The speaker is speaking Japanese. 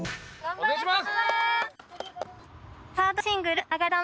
お願いします！